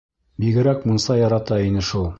Бигерәк мунса ярата ине шул.